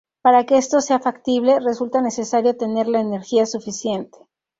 Para que esto sea factible, resulta necesario tener la energía suficiente.